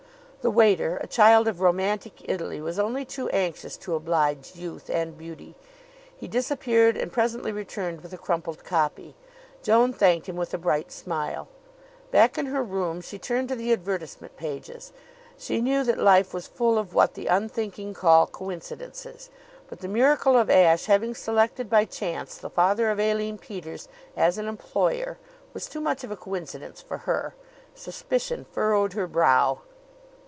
The waiter, a child of romantic Italy, was only too anxious to oblige youth and beauty. He disappeared and presently returned with a crumpled copy. Joan thanked him with a bright smile. Back in her room, she turned to the advertisement pages. She knew that life was full of what the unthinking call coincidences; but the miracle of Ashe having selected by chance the father of Aline Peters as an employer was too much of a coincidence for her. Suspicion furrowed her brow.